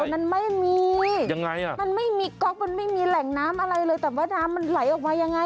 มันไม่มียังไงอ่ะมันไม่มีก๊อกมันไม่มีแหล่งน้ำอะไรเลยแต่ว่าน้ำมันไหลออกมายังไง